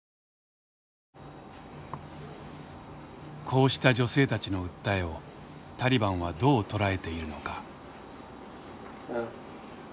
こうした女性たちの訴えをタリバンはどう捉えているのか。